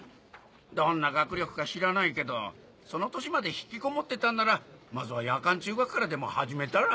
どんな学力か知らないけどその年まで引きこもってたんならまずは夜間中学からでも始めたら？